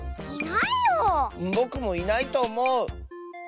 ぼくもいないとおもう。